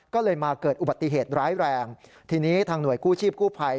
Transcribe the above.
ก็เลยมาเกิดอุบัติเหตุร้ายแรงทีนี้ทางหน่วยกู้ชีพกู้ภัย